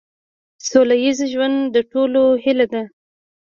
سوله ایز ژوند د ټولو هیله ده.